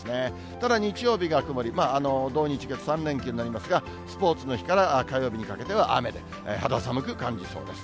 ただ、日曜日が曇り、土、日、月、３連休になりますが、スポーツの日から火曜日にかけては雨で、肌寒く感じそうです。